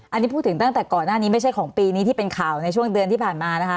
อันนี้พูดถึงตั้งแต่ก่อนหน้านี้ไม่ใช่ของปีนี้ที่เป็นข่าวในช่วงเดือนที่ผ่านมานะคะ